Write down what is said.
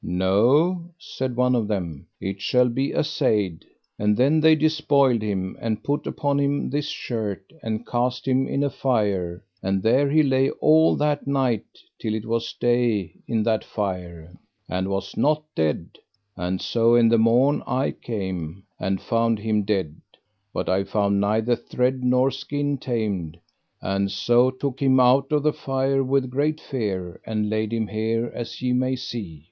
No? said one of them, it shall be assayed. And then they despoiled him, and put upon him this shirt, and cast him in a fire, and there he lay all that night till it was day in that fire, and was not dead, and so in the morn I came and found him dead; but I found neither thread nor skin tamed, and so took him out of the fire with great fear, and laid him here as ye may see.